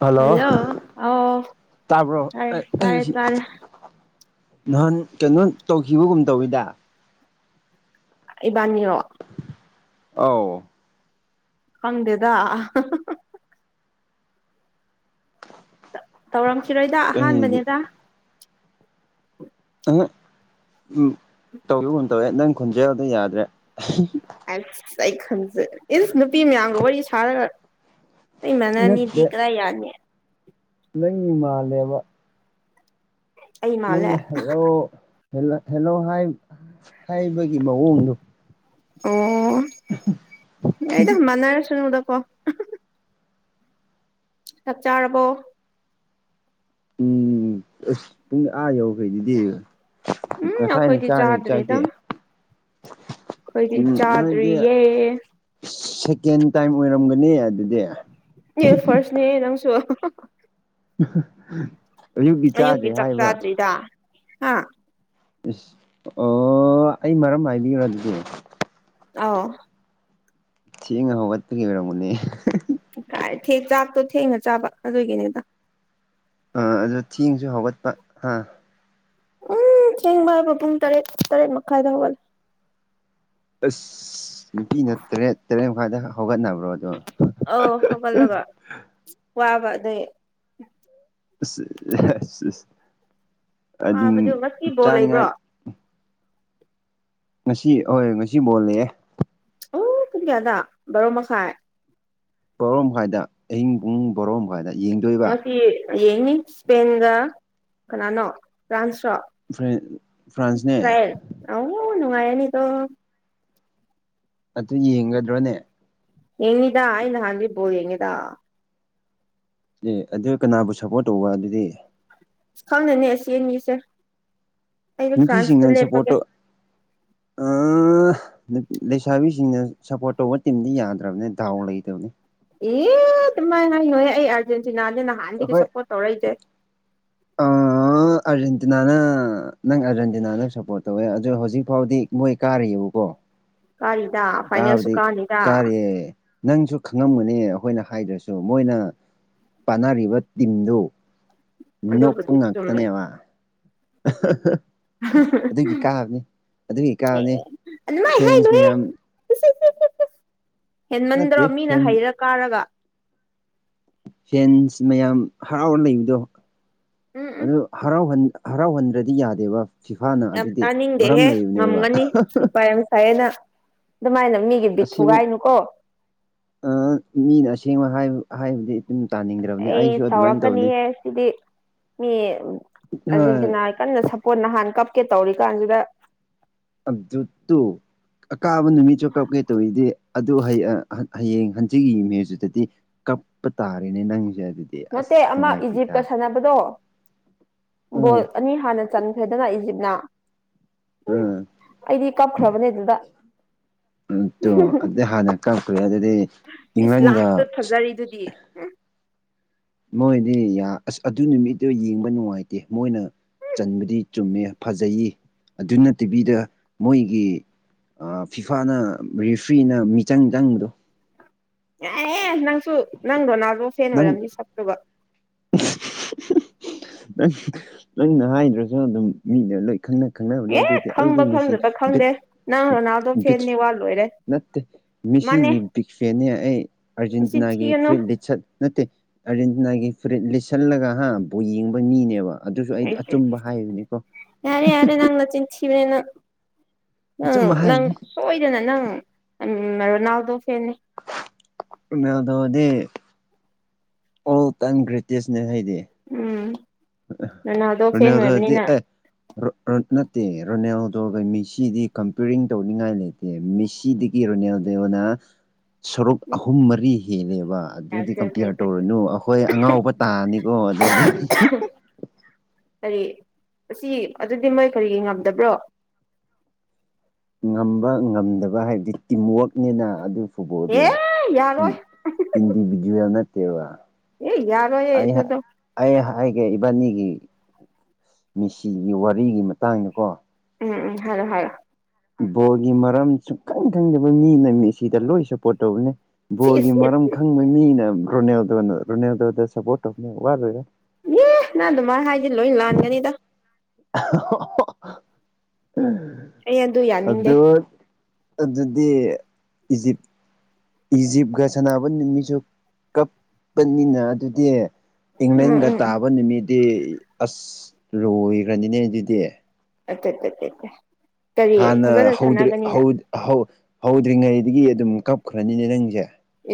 Hello ꯇꯥꯕ꯭ꯔꯣ ꯇꯥꯔꯦ ꯑꯩ ꯇꯥꯔꯦ ꯇꯥꯔꯦ ꯅꯍꯥꯟ ꯀꯩꯅꯣ ꯇꯧꯈꯤꯕꯒꯨꯝ ꯇꯧꯋꯤꯗ ꯏꯕꯅꯤꯔꯣ ꯑꯧ ꯈꯪꯗꯦꯗ ꯇꯧꯔꯝꯈꯤꯔꯣꯏꯗ ꯑꯩꯗꯤ ꯑꯍꯥꯟꯕꯅꯦꯗ ꯎꯝ ꯇꯧꯈꯤꯒꯨꯝ ꯇꯧꯋꯦ ꯅꯪ ꯈꯣꯟꯖꯗꯣ ꯌꯥꯗ꯭ꯔꯦ ꯑꯩ ꯈꯟꯖꯦ ꯏꯁ ꯅꯨꯄꯤ ꯃꯌꯥꯝꯒ ꯋꯥꯔꯤ ꯁꯥꯔꯒ ꯑꯩ ꯃꯅꯥꯅꯤꯗꯤ ꯅꯠꯇꯦ ꯀꯔꯥꯏ ꯌꯥꯅꯤ ꯅꯪꯒꯤ ꯃꯥꯜꯂꯦꯕ ꯑꯩ ꯃꯥꯜꯂꯦ ꯅꯪꯅ ꯍꯜꯂꯣ ꯍꯦꯜꯂꯣ ꯍꯥꯏ ꯍꯥꯏꯕꯒꯤ ꯃꯑꯣꯡꯗꫭ ꯑꯣ ꯌꯥꯏꯗ ꯃꯅꯥꯔꯁꯅꯨꯗꯀꯣ ꯆꯥꯛ ꯆꯥꯔꯕꯣ ꯎꯝ ꯑꯁ ꯄꯨꯡ ꯑꯥ ꯌꯧꯈꯔꯖꯤꯗꯤ ꯎꯝ ꯉꯁꯥꯏꯅ ꯑꯩꯈꯣꯏꯗꯤ ꯆꯥꯔꯦ ꯆꯥꯗ꯭ꯔꯤꯗ ꯆꯥꯛꯇꯤ ꯑꯩꯈꯣꯏꯗꯤ ꯎꯝ ꯅꯣꯏꯗꯤ ꯆꯥꯗ꯭ꯔꯤꯌꯦ ꯁꯦꯀꯦꯟ ꯇꯥꯏꯝ ꯑꯣꯏꯔꯝꯒꯅꯤ ꯑꯗꯨꯗꯤ ꯍꯦ ꯐꯔꯁꯅꯤꯍꯦ ꯅꯪꯁꯨ ꯑꯌꯨꯛꯀꯤ ꯆꯥꯗꯔ꯭ꯤ ꯍꯥꯏꯕ꯭ꯔꯥ [unintelligible] ꯑ ꯑꯦꯁ ꯑꯣ ꯑꯩ ꯃꯔꯝ ꯍꯥꯏꯕꯤꯌꯣ ꯑꯗꯨꯗꯤ ꯑꯥꯎ ꯊꯦꯡꯉ ꯍꯧꯒꯠꯄꯒꯤ ꯑꯣꯏꯣꯏꯔꯝꯒꯅꯤ ꯆꯥꯛꯇꯣ ꯊꯦꯡꯅ ꯆꯥꯕ ꯑꯗꯨꯒꯤꯅꯤꯗ ꯑꯥ ꯑꯗꯨ ꯊꯦꯡꯁꯨ ꯍꯧꯒꯠꯄ ꯑꯥ ꯎꯝ ꯊꯦꯡꯕ ꯍꯥꯏꯕ ꯄꯨꯡ ꯇꯔꯦꯠ ꯇꯔꯦꯠ ꯃꯈꯥꯏꯗ ꯍꯧꯒꯠꯂꯦ ꯑꯁ ꯅꯨꯄꯤꯅ ꯇꯔꯦꯠ ꯇꯔꯦꯠ ꯃꯈꯥꯏꯗ ꯍꯧꯒꯠꯅꯕ꯭ꯔꯣ ꯑꯗꯣ ꯑꯥꯎ ꯍꯧꯒꯠꯂꯒ ꯋꯥꯕ ꯑꯗꯨꯒꯤ ꯑꯗꯨꯝ ꯋꯥꯕꯗꯣ ꯉꯁꯤ ꯕꯣꯜ ꯂꯩꯕ꯭ꯔꯣ ꯆꯥꯅꯤꯡꯉꯥꯏ ꯉꯁꯤ ꯑꯣꯏ ꯉꯁꯤ ꯐꯨꯠ ꯕꯣꯜ ꯂꯩ ꯑꯣ ꯄꯨꯡ ꯀꯌꯥꯗ ꯕꯥꯔꯣ ꯃꯈꯥꯏ ꯕꯥꯔꯣ ꯃꯈꯥꯏꯗ ꯑꯍꯤꯡ ꯄꯨꯡ ꯕꯥꯔꯣ ꯃꯈꯥꯏꯗ ꯌꯦꯡꯗꯣꯏꯕ ꯉꯁꯤ ꯌꯦꯡꯅꯤ ꯏꯁꯄꯦꯟꯒ ꯀꯅꯥꯅꯣ ꯐ꯭ꯔꯥꯟꯁꯔꯣ ꯐ꯭ꯔ ꯐ꯭ꯔꯥꯟꯁꯅꯦ ꯅꯨꯡꯉꯥꯏꯔꯥꯅꯤꯇꯣ ꯑꯗꯨ ꯌꯦꯡꯑꯣꯏꯗꯔꯣꯅꯦ ꯌꯦꯉꯤꯗ ꯑꯩ ꯉꯍꯥꯟꯗꯩ ꯕꯣꯜ ꯌꯦꯉꯤꯗ ꯑꯦ ꯑꯗꯨ ꯀꯅꯥꯕꯨ ꯁꯞꯄꯣꯔꯠ ꯇꯧꯕ ꯑꯗꯨꯗꯤ ꯈꯪꯗꯦꯅꯦ ꯑꯁꯤ ꯑꯅꯤꯁꯦ ꯑꯩꯗꯤ ꯐ꯭ꯔꯥꯟꯁꯇ ꯅꯨꯄꯤꯁꯤꯡꯅ ꯁꯞꯄꯣꯔꯠ ꯂꯦꯞꯄꯒꯦ ꯇꯧ ꯂꯩꯁꯥꯕꯤꯁꯤꯡꯅ ꯁꯞꯄꯣꯔꯠ ꯇꯧꯕ ꯇꯤꯝꯗꯤ ꯌꯥꯗ꯭ꯔꯕꯅꯤ ꯗꯥꯎ ꯂꯩꯇꯕꯅꯤ ꯏꯃꯥꯏ ꯉꯥꯏ ꯅꯣꯏꯍꯦ ꯑꯩ ꯑꯥꯔꯖꯦꯟꯇꯤꯅꯥꯅꯦ ꯅꯍꯥꯟꯗꯒꯤ ꯑꯩꯈꯣꯏ ꯁꯞꯄꯣꯔꯠ ꯇꯧꯔꯛꯏꯁꯦ [unintelligible] ꯑꯥ ꯑꯥꯔꯖꯦꯟꯇꯤꯅꯥꯅ ꯅꯪ ꯑꯥꯔꯖꯦꯟꯇꯤꯅꯥ ꯅꯪ ꯁꯞꯄꯣꯔꯠ ꯇꯧꯋꯦ ꯑꯗꯣ ꯍꯧꯖꯤꯛꯐꯥꯎꯗꯤ ꯃꯣꯏ ꯀꯥꯔꯤꯕꯀꯣ ꯀꯔꯤꯗ ꯀꯥꯕꯗꯤ ꯀꯥꯔꯤꯌꯦ ꯅꯪꯁꯨ ꯈꯪꯉꯝꯒꯅꯤ ꯑꯩꯈꯣꯏꯅ ꯍꯥꯏꯗ꯭ꯔꯁꯨ ꯃꯣꯏꯅ ꯄꯥꯟꯅꯔꯤꯕ ꯇꯤꯝꯗꯨ ꯅꯣꯄꯄꯥ ꯑꯗꯨꯕꯨꯗꯤ ꯆꯨꯝꯃꯦ ꯉꯥꯛꯇꯅꯦꯕ [unintelligible] ꯑꯗꯨꯒꯤ ꯀꯥꯕꯅꯤ ꯑꯗꯨꯒꯤ ꯑꯦ ꯀꯥꯕꯅꯤ ꯑꯗꯨꯃꯥꯏ ꯐꯦꯟꯁ ꯍꯥꯏꯅꯨꯍꯦ ꯃꯌꯥꯝ ꯍꯦꯟꯃꯟꯗ꯭ꯔꯣ ꯅꯠꯇꯦ ꯃꯤꯅ ꯐꯦꯟ ꯍꯩꯔ ꯀꯥꯔꯒ ꯐꯦꯟꯁ ꯃꯌꯥꯝ ꯍꯔꯥꯎꯔ ꯂꯩꯕꯗꯣ ꯎꯝ ꯎꯝ ꯑꯗꯨ ꯍꯔꯥꯎꯍꯟ ꯍꯔꯥꯎꯍꯟꯗ꯭ꯔꯗꯤ ꯌꯥꯗꯦꯕ ꯐꯤꯐꯥꯅ ꯌꯥꯝ ꯑꯗꯨꯗꯤ ꯃꯔꯝ ꯇꯥꯅꯤꯡꯗꯦꯍꯦ ꯂꯩꯕꯅꯦꯕ ꯉꯝꯒꯅꯤ ꯍꯩꯄꯥ ꯌꯥꯝ ꯁꯥꯏꯌꯦ ꯅꯪ ꯑꯗꯨꯃꯥꯏꯅ ꯃꯤꯒꯤ ꯕꯤꯠ ꯑꯁꯤꯡ ꯊꯨꯒꯥꯏꯅꯨꯀꯣ ꯃꯤꯅ ꯑꯁꯦꯡꯕ ꯍꯥꯏꯕ ꯍꯥꯏꯕꯗꯤ ꯑꯗꯨꯝ ꯇꯥꯅꯤꯡꯗ꯭ꯔꯥ ꯑꯩ ꯁꯥꯎꯔꯛꯀꯅꯤꯍꯦ ꯁꯤꯗꯤ ꯃꯤ ꯑꯔꯖꯦꯟꯇꯤꯅꯥ ꯀꯟꯅ ꯁꯄꯣꯔꯠ ꯅꯍꯥꯟ ꯀꯞꯀꯦ ꯇꯧꯔꯤꯀꯥꯟꯁꯤꯗ ꯇꯨ ꯇꯨ ꯑꯀꯥꯕ ꯅꯨꯃꯤꯠꯁꯨ ꯀꯞꯀꯦ ꯇꯧꯔꯤꯗꯦ ꯑꯗꯨ ꯍꯌꯦꯡ ꯍꯟꯆꯤꯠꯀꯤ ꯃꯦꯠꯁ ꯇꯗꯤ ꯀꯞꯄ ꯇꯥꯔꯅꯦ ꯅꯪꯖꯦ ꯑꯗꯨꯗꯤ ꯅꯠꯇꯦ ꯑꯁ ꯑꯃ ꯅꯨꯡꯉꯥꯏꯇꯦꯗ ꯏꯖꯤꯞꯀ ꯁꯥꯟꯅꯕꯗꯣ ꯕꯣꯜ ꯎꯝ ꯑꯅꯤ ꯍꯥꯟꯅ ꯆꯟꯈ꯭ꯔꯦꯗꯅ ꯏꯖꯤꯞꯅ ꯎ ꯎꯝ ꯑꯩꯗꯤ ꯀꯞꯈ꯭ꯔꯕꯅꯦ ꯑꯗꯨꯗ ꯇꯣ ꯑꯗꯨ ꯍꯥꯟꯅ ꯀꯞꯈ꯭ꯔꯦ ꯑꯗꯨꯗꯤ ꯏꯁ ꯏꯪꯂꯦꯟꯒ ꯂꯥꯁꯇ ꯐꯖꯔꯤꯗꯨꯗꯤ ꯃꯣꯏꯗꯤ ꯑꯁ ꯑꯗꯨ ꯅꯨꯃꯤꯠꯇꯨ ꯌꯦꯡꯕ ꯅꯨꯡꯉꯥꯏꯇꯦ ꯃꯣꯏꯅ ꯆꯟꯕꯗꯤ ꯆꯨꯝꯃꯦ ꯐꯖꯩꯌꯦ ꯑꯗꯨꯅ ꯇꯤꯚꯤꯗ ꯃꯣꯏꯒꯤ ꯐꯤꯐꯥꯅ ꯔꯤꯐ꯭ꯔꯤꯅ ꯃꯤꯆꯪ ꯆꯪꯕꯗꯣ ꯑꯦ ꯅꯪꯁꯨ ꯅꯪ ꯔꯣꯅꯥꯜꯗꯣ ꯐꯦꯟ ꯅꯪ ꯑꯣꯏꯔꯝꯅꯤ ꯁꯛꯇꯨꯒ ꯅꯪ ꯅꯪꯅ ꯍꯥꯏꯗ꯭ꯔꯁꯨ ꯑꯗꯨꯝ ꯃꯤꯅ ꯂꯣꯏ ꯈꯪꯅ ꯈꯪꯅꯕꯅꯦ ꯑꯦ ꯑꯗꯨꯗꯤ ꯑꯩꯗꯤ ꯈꯪꯕ ꯃꯦꯆꯤꯟ ꯈꯪꯗꯕ ꯈꯪꯗꯦ ꯅꯪ ꯔꯣꯅꯥꯜꯗꯣ ꯐꯦꯟꯅꯤ ꯋꯥ ꯂꯣꯏꯔꯦ ꯅꯠꯇꯦ ꯃꯥꯅꯦ ꯃꯤꯁꯤꯒꯤ ꯕꯤꯛ ꯐꯦꯅꯤ ꯑꯩ ꯃꯆꯤꯟ ꯑꯥꯔꯖꯦꯟꯇꯤꯅꯥꯒꯤ ꯊꯤꯒꯅꯨ ꯐ꯭ꯔꯤꯠ ꯂꯤꯠꯆꯠ ꯅꯠꯇꯦ ꯑꯥꯔꯖꯦꯟꯇꯤꯅꯥꯒꯤ ꯐꯨꯔꯤꯠ ꯂꯤꯁꯜꯂꯒ ꯍꯥ ꯕꯣꯜ ꯌꯦꯡꯕ ꯃꯤꯅꯦꯕ ꯑꯗꯨꯁꯨ ꯑꯩꯗꯤ ꯑꯩꯁꯦ ꯑꯆꯨꯝꯕ ꯍꯥꯏꯕꯅꯤꯀꯣ ꯀꯅ ꯑꯆꯨꯝꯕ ꯑ ꯅꯪ ꯍꯥꯏꯕꯅꯤ ꯁꯣꯏꯗꯅ ꯅꯪ ꯔꯣꯅꯥꯜꯗꯣ ꯐꯦꯟꯅꯤ ꯔꯣꯅꯥꯜꯗꯣꯗꯤ ꯑꯣꯜ ꯇꯥꯏꯝ ꯒ꯭ꯔꯦꯇꯦꯖꯅꯦ ꯍꯥꯏꯗꯤ ꯎꯝ ꯔꯣꯅꯥꯜꯗꯣ ꯐꯦꯟ ꯔꯣꯅꯥꯜꯗꯣꯗꯤ ꯑꯣꯏꯕꯅꯤꯅ ꯑꯦ ꯅꯠꯇꯦ ꯔꯣꯅꯦꯜꯗꯣ ꯒꯃꯤꯁꯤꯗꯤ ꯀꯝꯄꯤꯌꯔꯤꯡ ꯇꯧꯅꯤꯡꯉꯥꯏ ꯂꯩꯇꯦ ꯃꯤꯁꯤꯗꯤ ꯏꯔꯣꯅꯦꯗꯅ ꯁꯣꯔꯨꯛ ꯑꯍꯨꯝ ꯃꯔꯤ ꯍꯦꯜꯂꯦꯕ ꯑꯗꯨꯗꯤ ꯀꯝꯄꯤꯌꯔ ꯇꯧꯔꯅꯨ ꯑꯩꯈꯣꯏ ꯑꯉꯥꯎꯕ ꯇꯥꯔꯅꯤꯀꯣ ꯑꯗꯨꯗꯤ ꯀꯔꯤ ꯑꯁꯤ ꯑꯗꯨꯗꯤ ꯃꯣꯏ ꯀꯔꯤꯒꯤ ꯉꯝꯗꯕ꯭ꯔꯣ ꯉꯝꯕ ꯉꯝꯗꯕ ꯍꯥꯏꯕꯗꯤ ꯇꯤꯝꯋꯛꯅꯤꯅ ꯑꯗꯨ ꯐꯨꯠꯕꯣꯜꯗꯤ ꯑꯦ ꯌꯥꯔꯣꯏ ꯏꯟꯗꯤꯚꯖꯨꯋꯦꯜ ꯅꯠꯇꯦ ꯑꯦ ꯌꯥꯔꯣꯦꯗꯣ ꯑꯩ ꯍꯥꯏꯒꯦ ꯏꯕꯥꯅꯤꯒꯤ ꯃꯤꯁꯤꯒꯤ ꯋꯥꯔꯤꯒꯤ ꯃꯇꯥꯡꯗꯀꯣ ꯎꯝ ꯍ ꯍꯥꯎ ꯕꯣꯜꯒꯤ ꯃꯔꯝ ꯁꯨꯈꯪ ꯈꯪꯗꯕ ꯃꯤꯅ ꯃꯤꯁꯤꯗ ꯂꯣꯏ ꯁꯄꯣꯔꯠ ꯇꯧꯕꯅꯦ ꯕꯣꯒꯤ ꯁꯤꯁ ꯃꯔꯝ ꯈꯪꯕ ꯃꯤꯅ ꯔꯣꯅꯦꯜꯗꯣꯅ ꯔꯣꯅꯦꯜꯗꯣꯗ ꯁꯞꯄꯣꯔꯠ ꯇꯧꯕꯅꯤ ꯋꯥꯠꯂꯣꯏꯔꯥ ꯑꯦ ꯅꯪ ꯑꯗꯨꯃꯥꯏꯅ ꯍꯥꯏꯗꯤ ꯂꯣꯏ ꯂꯥꯟꯒꯅꯤꯗ ꯑꯩ ꯑꯗꯨ ꯌꯥꯅꯤꯡꯗꯦ ꯑꯗꯨꯗ ꯑꯗꯨꯗꯤ ꯏꯖꯤꯞ ꯏꯖꯤꯞꯀ ꯁꯥꯟꯅꯕ ꯅꯨꯃꯤꯠꯁꯨ ꯀꯞꯄꯅꯤꯅ ꯑꯗꯨꯗꯤ ꯎꯝ ꯏꯪꯂꯪꯒ ꯎꯝ ꯎꯝ ꯇꯥꯕ ꯅꯨꯃꯤꯗꯤ ꯑꯁ ꯂꯣꯏꯈ꯭ꯔꯅꯤꯅꯦ ꯑꯗꯨꯗꯤ ꯑ ꯇ ꯑ ꯍꯥꯟꯅ ꯍꯧꯗ꯭ꯔꯦ ꯍꯧꯗ꯭ꯔꯤꯉꯩꯗꯒꯤ ꯑꯗꯨꯝ ꯀꯞꯈ꯭ꯔꯅꯤꯅꯦ ꯅꯪꯁꯦ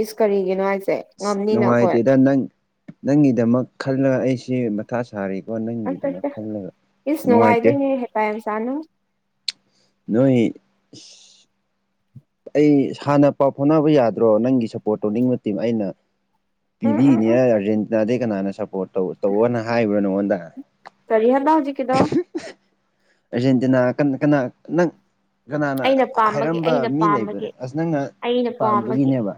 ꯏꯁ ꯀꯔꯤꯒꯤꯅꯣꯉꯥꯏꯁꯦ ꯑꯁ ꯅꯨꯡꯉꯥꯏꯇꯦꯗ ꯅꯪ ꯅꯪꯒꯤꯗꯃꯛ ꯈꯜꯂ ꯑꯩꯁꯦ ꯊꯥ ꯁꯥꯔꯤꯀꯣ ꯑꯁ ꯅꯪꯒꯤꯗꯃꯛ ꯈꯜꯂꯒ ꯅꯨꯡꯉꯥꯏꯇꯦ ꯍꯩꯄ ꯌꯥꯝ ꯁꯥꯅꯨ ꯅꯣꯏ ꯑꯩ ꯍꯥꯟꯅ ꯄꯥꯎ ꯐꯥꯎꯅꯕ ꯌꯥꯗ꯭ꯔꯣ ꯅꯪꯒꯤ ꯁꯄꯣꯔꯠ ꯇꯧꯅꯤꯡꯕ ꯇꯤꯝ ꯑꯩꯅ ꯎꯝ ꯎꯝ ꯎꯝ ꯄꯤꯕꯤꯅꯦ ꯑꯥꯔꯖꯦꯟꯇꯤꯅꯥ ꯗꯤ ꯀꯅꯥꯅ ꯁꯄꯣꯔꯠ ꯇꯧ ꯇꯧꯑꯣꯅ ꯍꯥꯏꯕ꯭ꯔꯣ ꯅꯉꯣꯟꯗ ꯀꯔꯤ ꯍꯥꯏꯕ ꯍꯧꯖꯤꯛꯀꯤꯗꯣ ꯑꯔꯖꯦꯟꯇꯤꯅꯥ ꯀꯟ ꯀꯅꯥ ꯅꯪ ꯀꯅꯥꯅ ꯑꯩꯅ ꯍꯥ ꯄꯥꯝꯕꯒꯤ ꯍꯥꯏꯔꯝꯕ ꯑꯩꯅ ꯃꯤ ꯂꯩꯕ꯭ꯔꯥ ꯄꯥꯝꯕꯒꯤ ꯑꯁ ꯅꯪꯅ ꯑꯩꯅ ꯄꯥꯝꯕꯒꯤ ꯄꯥꯝꯕꯒꯤꯅꯦꯕ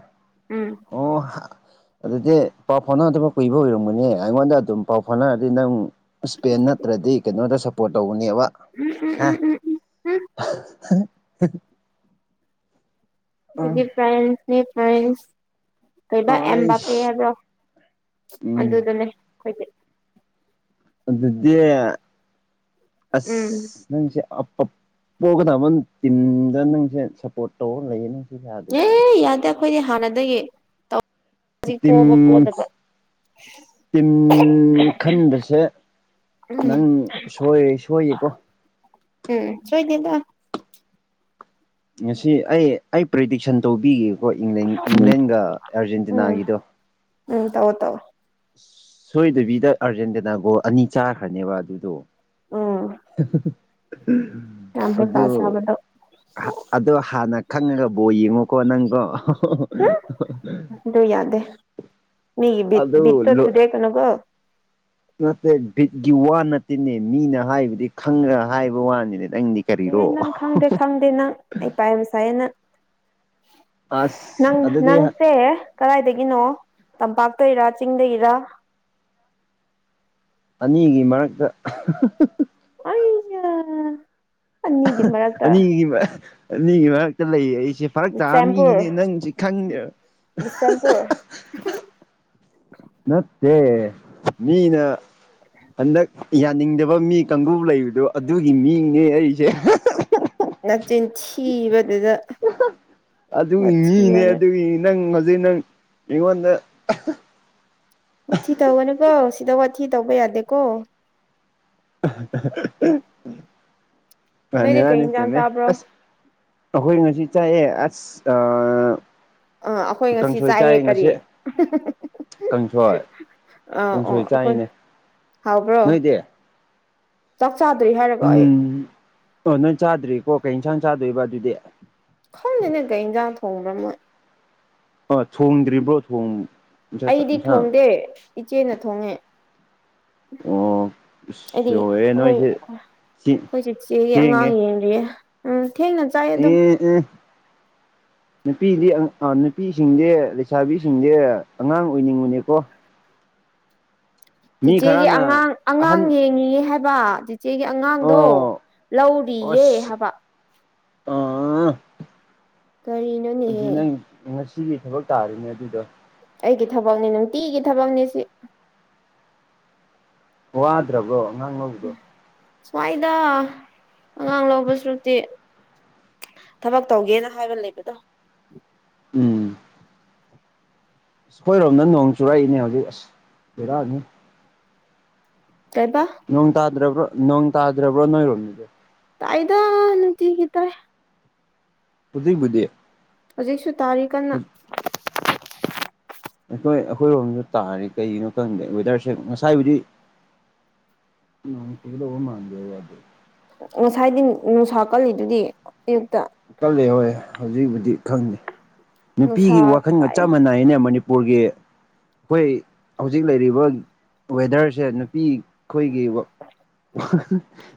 ꯎꯝ ꯑꯣ ꯍꯥ ꯑꯗꯨꯗꯤ ꯄꯥꯎ ꯐꯥꯎꯅꯗꯕ ꯀꯨꯏꯕ ꯑꯣꯏꯔꯝꯒꯅꯦ ꯑꯩꯉꯣꯟꯗ ꯑꯗꯨꯝ ꯄꯥꯎ ꯐꯥꯎꯅꯔꯗꯤ ꯅꯪ ꯏꯁꯄꯦꯟ ꯅꯠꯇ꯭ꯔꯗꯤ ꯀꯩꯅꯣꯗ ꯁꯞꯄꯣꯔꯠ ꯇꯧꯕꯅꯦꯕ ꯎꯝ ꯎꯝ ꯍꯥ ꯎꯝ ꯎꯝ ꯎꯝ ꯎꯝ [unintelligible] ꯎꯝ ꯑꯗꯨꯗꯒꯤ ꯐ꯭ꯔꯥꯟꯁꯅꯦ ꯐ꯭ꯔꯥꯟꯁ ꯀꯩꯕ ꯑꯦꯝ ꯕꯥ ꯄꯦ ꯑꯩꯁ ꯍꯥꯏꯕ꯭ꯔꯣ ꯎꯝ ꯑꯗꯨꯗꯅꯦ ꯍꯥꯏꯣꯏꯗꯤ ꯑꯗꯨꯗꯤ ꯎꯝ ꯑꯁꯪꯁꯤꯦ ꯑꯄꯄꯒꯗꯕꯟ ꯇꯤꯝꯗ ꯅꯪꯁꯦ ꯁꯞꯄꯣꯔꯠ ꯇꯧꯔ ꯂꯩꯌꯦ ꯅꯪ ꯑꯦ ꯌꯥꯗꯦ ꯑꯩꯈꯣꯏꯗꯤ ꯍꯥꯟꯅꯗꯒꯤꯧ ꯇꯤꯝꯁ ꯇꯤꯝ ꯈꯟꯕꯁꯦ ꯎꯝ ꯅꯪ ꯁꯣꯏꯔꯦ ꯁꯣꯏꯌꯦꯀꯣ ꯎꯝ ꯁꯣꯏꯗꯗ ꯉꯁꯤ ꯑꯩ ꯑꯩ ꯄ꯭ꯔꯤꯗꯤꯛꯁꯟ ꯇꯧꯕꯤꯒꯦꯀꯣ ꯏꯪꯂꯦꯟ ꯏꯪꯂꯦꯟꯒ ꯑꯥꯔꯖꯦꯟꯇꯤꯅꯥ ꯎꯝ ꯒꯤꯗꯣ ꯎꯝ ꯇꯧ ꯇꯧ ꯁꯣꯏꯗꯕꯤꯗ ꯑꯔꯖꯦꯟꯇꯅꯥ ꯒꯣ ꯑꯅꯤ ꯆꯥꯈ꯭ꯔꯅꯦꯕ ꯑꯗꯨꯗꯣ ꯑꯣ ꯍꯩꯄꯥ ꯑꯗꯨ ꯁꯥꯕꯗꯣ ꯑꯗꯣ ꯍꯥꯟꯅ ꯈꯪꯉꯒ ꯕꯣ ꯌꯦꯡꯉꯨꯀꯣ ꯅꯪꯗꯣ ꯍꯥ ꯑꯗꯨ ꯌꯥꯗꯦ ꯃꯤꯒꯤ ꯕꯤꯠ ꯑꯗꯨ ꯕꯤꯠꯇꯣ ꯊꯨꯗꯦꯛ ꯀꯅꯨꯀꯣ ꯅꯠꯇꯦ ꯕꯤꯠꯀꯤ ꯋꯥ ꯅꯠꯇꯦꯅꯦ ꯃꯤꯅ ꯍꯥꯏꯕꯗꯤ ꯈꯪꯉ ꯍꯥꯏꯕ ꯋꯥꯅꯤꯅꯦ ꯅꯪꯗꯤ ꯑꯦ ꯀꯔꯤꯔꯣ ꯅꯪ ꯈꯪꯗꯦ ꯈꯪꯗꯦ ꯅꯪ ꯍꯩꯄꯥ ꯌꯥꯝ ꯁꯥꯑꯦꯅ ꯑꯁ ꯅꯪ ꯑꯗꯨꯗꯤ ꯅꯪꯁꯦ ꯀꯗꯥꯏꯗꯒꯤꯅꯣ ꯇꯝꯄꯥꯛꯇꯒꯤꯔꯥ ꯆꯤꯡꯗꯒꯤꯔꯥ ꯑꯅꯤꯒꯤ ꯃꯔꯛꯇ ꯑꯩꯖꯦ ꯑꯅꯤꯒꯤ ꯑꯅꯤꯒꯤ ꯃꯔꯛꯇ ꯂꯩꯌꯦ ꯑꯩꯁꯦ ꯐꯔꯛ ꯇꯥꯕ ꯕꯤꯁꯦꯝꯄꯨꯔ ꯃꯤꯅꯤꯅꯦ ꯅꯪꯁꯦ ꯈꯪꯗꯦꯕ ꯕꯤꯁꯦꯝꯄꯨꯔ [unintelligible] ꯅꯠꯇꯦ ꯃꯤꯅꯥ ꯍꯟꯗꯛ ꯌꯥꯅꯤꯡꯗꯕ ꯃꯤ ꯀꯥꯡꯒꯨ ꯂꯩꯕꯗꯨ ꯑꯗꯨꯒꯤ ꯃꯤꯅꯤꯅꯦ ꯑꯩꯁꯦ ꯅꯆꯤꯟ ꯊꯤꯕꯗꯨꯗ ꯑꯗꯨꯒꯤ ꯋꯥꯊꯤ ꯃꯤꯅꯦ ꯋꯥꯔꯦꯝ ꯑꯗꯨꯒꯤ ꯅꯪ ꯍꯧꯖꯤꯛ ꯅꯪ ꯑꯩꯉꯣꯟꯗ ꯋꯥꯊꯤ ꯇꯧꯒꯅꯨꯀꯣ ꯁꯤꯗ ꯋꯥꯊꯤ ꯇꯧꯕ ꯌꯥꯗꯦꯀꯣ ꯃꯥꯅꯤ ꯅꯣꯏꯗꯤ ꯀꯩ ꯃꯥꯅꯤ ꯏꯟꯖꯥꯡ ꯆꯨꯝꯃꯦ ꯆꯥꯕ꯭ꯔꯣ ꯑꯁ ꯑꯩꯈꯣꯏ ꯉꯁꯤ ꯆꯥꯏꯑꯦ ꯑꯁ ꯑꯥ ꯑ ꯑꯩꯈꯣꯏ ꯉꯁꯤ ꯆꯥꯏꯌꯦ ꯀꯔꯤ ꯀꯥꯡꯁꯣꯏ ꯑꯥ ꯑꯣ ꯀꯥꯡꯁꯣꯏ ꯑꯩꯈꯣꯏ ꯆꯥꯏꯅꯦ ꯍꯥꯎꯕ꯭ꯔꯣ ꯅꯣꯏꯗꯤ ꯆꯥꯛ ꯆꯥꯗ꯭ꯔꯤ ꯍꯥꯏꯔꯣ ꯎꯝ ꯑꯣ ꯅꯣꯏ ꯆꯥꯗ꯭ꯔꯤꯀꯣ ꯀꯩ ꯌꯦꯟꯁꯥꯡ ꯆꯥꯗꯣꯏꯕ ꯑꯗꯨꯗꯤ ꯈꯟꯂꯤꯅꯦ ꯀꯩ ꯏꯟꯖꯥꯡ ꯊꯣꯡꯕ ꯃꯣꯏ ꯑ ꯊꯣꯡꯗ꯭ꯔꯤꯕꯣ ꯊꯣꯡ ꯑꯩꯗꯤ ꯏꯟꯁꯥꯡ ꯊꯣꯡꯗꯦ ꯏꯆꯦꯅ ꯊꯣꯡꯉꯦ ꯑꯣ ꯍꯥꯏꯗꯤ ꯂꯣꯏꯔꯦ ꯅꯣꯏꯁꯦ ꯑꯩꯈꯣꯏ ꯈꯣꯏꯆꯤꯆꯦꯒꯤ ꯊꯦꯡꯉꯦ ꯑꯉꯥꯡ ꯌꯦ ꯎꯝ ꯊꯦꯡꯅ ꯆꯥꯏ ꯑꯦ ꯑꯗꯨꯝ ꯑꯦ ꯅꯨꯄꯤꯗꯤ ꯅꯨꯄꯤꯁꯤꯡꯖꯦ ꯂꯩꯁꯥꯕꯤꯁꯤꯡꯖꯦ ꯑꯉꯥꯡ ꯑꯣꯏꯅꯤꯡꯕꯅꯦꯀꯣ ꯃꯤ ꯆꯤꯆꯦꯒꯤ ꯈꯔꯅ ꯑꯉꯥꯡ ꯑꯉꯥꯡ ꯑꯍꯟ ꯌꯦꯡꯉꯤꯌꯦ ꯍꯥꯏꯕ ꯏꯆꯦꯒꯤ ꯑꯉꯥꯡꯗꯣ ꯑꯣ ꯂꯧꯔꯤꯌꯦ ꯑꯁ ꯍꯥꯏꯕ ꯑꯥ ꯑꯗꯨ ꯀꯔꯤꯅꯣꯅꯦꯍꯦ ꯅꯪ ꯉꯁꯤꯒꯤ ꯊꯕꯛ ꯇꯥꯔꯤꯅꯦ ꯑꯗꯨꯗꯣ ꯑꯩꯒꯤ ꯊꯕꯛꯅꯤ ꯅꯨꯡꯇꯤꯒꯤ ꯊꯕꯛꯅꯤ ꯁꯤ ꯋꯥꯗ꯭ꯔꯕꯣ ꯑꯉꯥꯡ ꯂꯧꯕꯗꯣ ꯁ꯭ꯋꯥꯏꯗ ꯑꯉꯥꯡ ꯂꯧꯕꯁꯨꯇꯤ ꯊꯕꯛ ꯇꯧꯒꯦꯅ ꯍꯥꯏꯔ ꯂꯩꯕꯗꯣ ꯎꯝ ꯑꯩꯈꯣꯏꯔꯣꯝꯗ ꯅꯣꯡ ꯆꯨꯔꯛꯏꯅꯦ ꯍꯧꯖꯤꯛ ꯑꯁ ꯕꯦꯔꯥꯅꯤ ꯀꯩꯕ ꯅꯣꯡ ꯇꯥꯗ꯭ꯔꯕ꯭ꯔꯣ ꯅꯣꯡ ꯇꯥꯗ꯭ꯔꯕꯣ ꯅꯣꯏꯔꯣꯝꯗꯗꯤ ꯇꯥꯏꯗ ꯅꯨꯡꯇꯤꯒꯤ ꯇꯥꯏ ꯍꯧꯖꯤꯛꯕꯨꯗꯤ ꯍꯧꯖꯤꯛꯁꯨ ꯇꯥꯔꯤ ꯀꯟꯅ ꯑꯩꯈꯣꯏ ꯑꯩꯈꯣꯏꯔꯣꯝꯗ ꯇꯥꯔꯤ ꯀꯩꯒꯤꯅꯣ ꯈꯪꯗꯦ ꯋꯦꯗꯔꯁꯦ ꯉꯁꯥꯏꯕꯨꯗꯤ ꯅꯣꯡ ꯆꯨꯒꯗꯕ ꯃꯥꯟꯗꯦ ꯋꯥꯗꯤ ꯉꯁꯥꯏꯗꯤ ꯅꯨꯡꯁꯥ ꯀꯜꯂꯤꯗꯨꯗꯤ ꯑꯌꯨꯛꯇ ꯀꯜꯂꯦ ꯍꯣꯏ ꯍꯧꯖꯤꯛꯕꯨꯗꯤ ꯈꯪꯗꯦ ꯅꯨꯄꯤꯒꯤ ꯅꯨꯡꯁꯥ ꯋꯥꯈꯜꯒ ꯁꯥꯏ ꯆꯞ ꯃꯥꯟꯅꯩꯅꯦ ꯃꯅꯤꯄꯔ ꯄꯨꯔꯒꯤ ꯑꯩꯈꯣꯏ ꯍꯧꯖꯤꯛ ꯂꯩꯔꯤꯕ ꯋꯦꯗꯔꯁꯦ ꯅꯨꯄꯤ ꯑꯩꯈꯣꯏꯒꯤ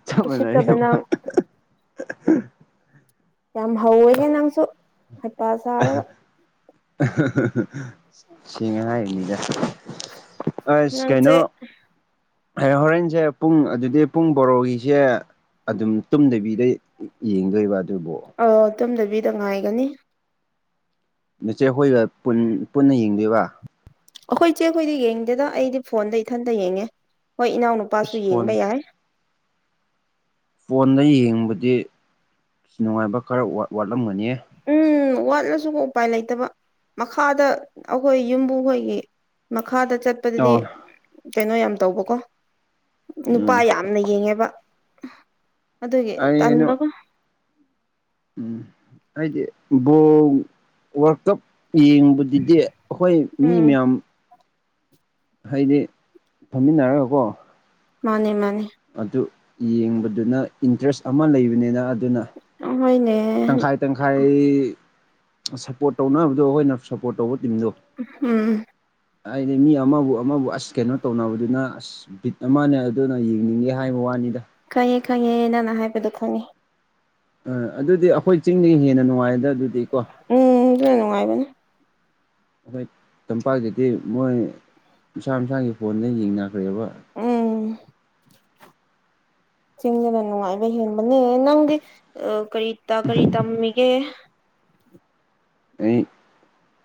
ꯆꯞ ꯎꯁꯤꯠꯇꯕ ꯃꯅꯩꯌꯦꯕ ꯅꯪ ꯌꯥꯝ ꯍꯧꯋꯦꯍꯦ ꯅꯪꯁꯨ ꯍꯩꯄꯥ ꯁꯥꯔꯒ ꯁꯦꯡꯉꯦ ꯍꯥꯏꯔꯤꯅꯤꯗ ꯑꯁ ꯅꯪꯁꯦ ꯀꯩꯅꯣ ꯍꯣꯔꯦꯟꯁꯦ ꯄꯨꯡ ꯑꯗꯨꯗꯤ ꯄꯨꯡ ꯕꯣꯔꯣꯒꯤꯁꯦ ꯑꯗꯨꯝ ꯇꯨꯝꯗꯕꯤꯗ ꯌꯦꯡꯗꯣꯏꯕ ꯑꯗꯨꯕꯣ ꯑꯣ ꯇꯨꯝꯗꯕꯤꯗ ꯉꯥꯏꯒꯅꯤ ꯅꯆꯦ ꯈꯣꯏꯒ ꯄꯨꯟ ꯄꯨꯟꯅ ꯌꯦꯡꯗꯣꯏꯕ ꯑꯩꯈꯣꯏ ꯏꯆꯦꯈꯣꯏꯗꯤ ꯌꯦꯡꯗꯦꯗ ꯑꯩꯗꯤ ꯐꯣꯟꯗ ꯏꯊꯟꯇ ꯌꯦꯡꯉꯦ ꯍꯣꯏ ꯑꯁ ꯏꯅꯥꯎꯅꯨꯄꯥꯁꯨ ꯐꯣꯟ ꯌꯦꯡꯕ ꯌꯥꯏ ꯐꯣꯟꯗ ꯌꯦꯡꯕꯗꯤ ꯅꯨꯡꯉꯥꯏꯕ ꯈꯔꯥ ꯋꯥꯠꯂꯝꯒꯅꯤꯌꯦ ꯎꯝ ꯋꯥꯠꯂꯁꯨ ꯎꯄꯥꯏ ꯂꯩꯇꯕ ꯃꯈꯥꯗ ꯑꯩꯈꯣꯏ ꯌꯨꯝꯕꯨꯈꯣꯏꯒꯤ ꯃꯈꯥꯗ ꯆꯠ ꯆꯠꯄꯗꯨꯗꯤ ꯑꯣ ꯀꯩꯅꯣ ꯌꯥꯝ ꯇꯧꯕꯀꯣ ꯅꯨꯄꯥ ꯎꯝ ꯌꯥꯝ ꯌꯥꯝꯅ ꯌꯦꯡꯉꯦꯕ ꯑꯗꯨꯒꯤ ꯑꯩ ꯀꯩꯅꯣ ꯇꯟꯕꯀꯣ ꯎꯝ ꯍꯥꯏꯗꯤ ꯕꯣꯜ ꯋꯥꯔꯀꯞ ꯌꯦꯡꯕ [unintelligible] ꯑꯩꯈꯣꯏ ꯃꯤ ꯎꯝ ꯃꯌꯥꯝ ꯍꯥꯏꯗꯤ ꯐꯝꯃꯤꯟꯅꯔꯒꯀꯣ ꯃꯥꯅꯦ ꯃꯥꯅꯦ ꯑꯗꯨ ꯌꯦꯡꯕꯗꯨꯅ ꯏꯟꯇꯔꯦꯁ ꯑꯃ ꯂꯩꯕꯅꯤꯅ ꯑꯗꯨꯅ ꯍꯣꯏꯅꯦ ꯇꯪꯈꯥꯏ ꯇꯪꯈꯥꯏ ꯁꯞꯄꯣꯔꯠ ꯇꯧꯅꯕꯗꯣ ꯑꯩꯈꯣꯏꯅ ꯁꯞꯄꯣꯔꯠ ꯇꯧꯕ ꯇꯤꯝꯗꯣ ꯎꯝ ꯑꯩꯗꯤ ꯃꯤ ꯑꯃꯕꯨ ꯑꯃꯕꯨ ꯑꯁ ꯀꯩꯅꯣ ꯇꯧꯅꯕꯗꯨꯅ ꯑꯁ ꯕꯤꯠ ꯑꯃꯅꯦ ꯑꯗꯨꯅ ꯌꯦꯡꯅꯤꯡꯉꯦ ꯍꯥꯏꯕ ꯋꯥꯅꯤꯗ ꯈꯪꯉꯦ ꯈꯪꯉꯦ ꯅꯪꯅ ꯍꯥꯏꯕꯗꯣ ꯈꯪꯉꯦ ꯑꯥ ꯑꯗꯨꯗꯤ ꯑꯩꯈꯣꯏ ꯆꯤꯡꯗꯒꯤ ꯍꯦꯟꯅ ꯅꯨꯡꯉꯥꯏꯗ ꯑꯗꯨꯗꯤ ꯀꯣ ꯎꯝ ꯑꯗꯨꯅ ꯅꯨꯡꯉꯥꯏꯕꯅꯦ ꯑꯩꯈꯣꯏ ꯇꯝꯄꯥꯛꯇꯗꯤ ꯃꯣꯏ ꯃꯁꯥ ꯃꯁꯥꯒꯤ ꯐꯣꯟꯗ ꯌꯦꯡꯅꯈ꯭ꯔꯦꯕ ꯎꯝ ꯆꯤꯡꯗꯅ ꯅꯨꯡꯉꯥꯏꯕ ꯍꯦꯟꯕꯅꯦ ꯅꯪꯗꯤ ꯀꯔꯤ ꯀꯔꯤ ꯇꯝꯃꯤꯒꯦ ꯑꯩ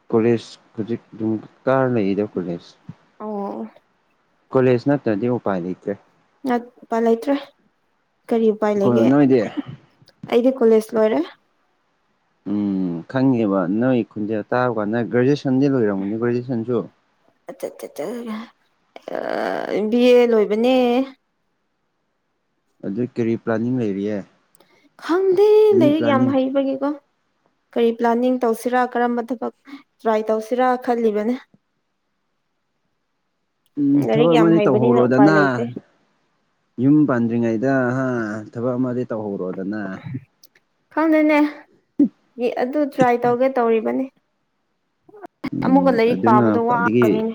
ꯀꯣꯂꯦꯖ ꯍꯧꯖꯤꯛ ꯑꯗꯨꯝ ꯀꯥꯔꯥ ꯂꯩꯗ ꯀꯣꯂꯦꯖ ꯑꯣ ꯀꯣꯂꯦꯖ ꯅꯠꯇ꯭ꯔꯗꯤ ꯎꯄꯥꯏ ꯂꯩꯇ꯭ꯔꯦ ꯅꯠꯄ ꯂꯩꯇ꯭ꯔꯦ ꯀꯔꯤ ꯎꯄꯥꯏ ꯀꯩꯅꯣ ꯂꯩꯒꯦ ꯅꯣꯏꯗꯤ ꯑꯩꯗꯤ ꯀꯣꯂꯦꯖ ꯂꯣꯏꯔꯦ ꯎꯝ ꯈꯪꯉꯦꯕ ꯅꯣꯏ ꯈꯣꯟꯖꯦꯜ ꯇꯥꯕ ꯀꯥꯟꯗ ꯒ꯭ꯔꯦꯖꯨꯑꯁꯟꯗꯤ ꯂꯣꯏꯔꯝꯒꯅꯤ ꯒ꯭ꯔꯦꯖꯨꯑꯦꯁꯟꯁꯨ꯫ [unintelligible] ꯕꯤ ꯑꯦ ꯂꯣꯏꯕꯅꯦ ꯑꯗꯨ ꯀꯔꯤ ꯄ꯭ꯂꯥꯟꯅꯤꯡ ꯂꯩꯔꯤꯌꯦ ꯈꯪꯗꯦ ꯑꯦꯅꯤ ꯂꯥꯏꯔꯤꯛ ꯌꯥꯝ ꯄ꯭ꯂꯥꯅꯤꯡ ꯍꯩꯕꯒꯤꯀꯣ ꯀꯔꯤ ꯄ꯭ꯂꯥꯟꯅꯤꯡ ꯇꯧꯁꯤꯔꯥ ꯀꯔꯝꯕ ꯊꯕꯛ ꯇ꯭ꯔꯥꯏ ꯇꯧꯁꯤꯔꯥ ꯈꯜꯂꯤꯕꯅꯦ꯫ [inaudible] ꯎꯝ ꯂꯥꯏꯔꯤꯛ ꯊꯕꯛ ꯌꯥꯝ ꯑꯃꯗꯤ ꯍꯩꯕꯅꯤꯅ ꯎꯄꯥꯏ ꯇꯧꯍꯧꯔꯣꯗꯅ ꯂꯩꯇꯦ ꯌꯨꯝ ꯄꯥꯟꯗ꯭ꯔꯤꯉꯩꯗ ꯑꯥ ꯊꯕꯛ ꯑꯃꯗꯤ ꯇꯧꯍꯧꯔꯣꯗꯅ ꯈꯪꯗꯦꯅꯦ ꯑꯗꯨ ꯇ꯭ꯔꯥꯏ ꯇꯧꯒꯦ ꯇꯧꯔꯤꯕꯅꯤ ꯑꯃꯨꯛꯀ ꯎꯝ ꯂꯥꯏꯔꯤꯛ ꯑꯗꯨꯅ ꯄꯥꯕꯗꯣ ꯈ꯭ꯋꯥꯏꯗꯒꯤ ꯋꯥꯒꯅꯤ